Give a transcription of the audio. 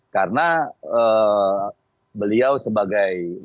karena beliau sebagai